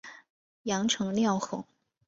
阳城缪侯。